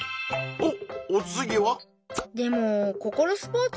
おっ！